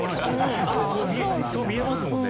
そう見えますもんね